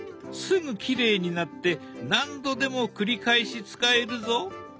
すぐきれいになって何度でも繰り返し使えるぞ。